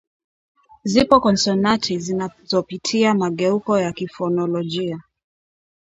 Zipo konsonanti zinazopitia mageuko ya kifonolojia